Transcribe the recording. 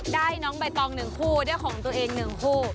น้องใบตอง๑คู่ได้ของตัวเอง๑คู่